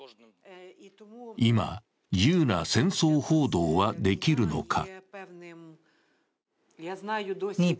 今、自由な戦争報道はできるのか。